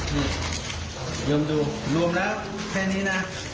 ล้วนดูรวมแล้วแค่นี้นะ